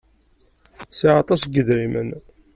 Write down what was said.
Sɛiɣ aṭas n yedrimen.